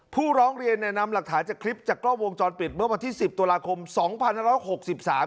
ผู้ร้องเรียนเนี่ยนำหลักฐานจากคลิปจากกล้องวงจรปิดเมื่อวันที่สิบตุลาคมสองพันห้าร้อยหกสิบสาม